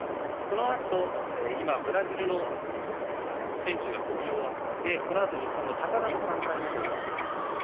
今、ブラジルの選手が跳び終わってこのあと日本の高田の３回目となります。